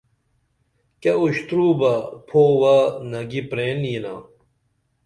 کیہ اُشترو بہ پھووہ نگی پرین ینا